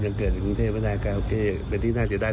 ยังเกิดในกรุงเทพไม่ได้ก็โอเคเป็นที่น่าจะได้